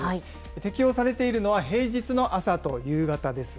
適用されているのは、平日の朝と夕方です。